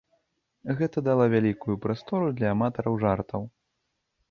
Гэта дала вялікую прастору для аматараў жартаў.